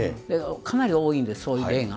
かなり多いんです、そういう例が。